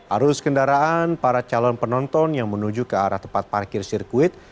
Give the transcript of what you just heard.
arus kendaraan para calon penonton yang menuju ke arah tempat parkir sirkuit